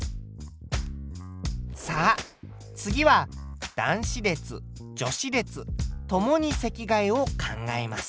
さあ次は男子列・女子列共に席替えを考えます。